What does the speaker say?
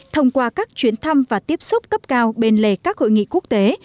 thông qua các chuyến thăm và tiếp xúc cấp cao bên lề các hội nghị quốc tế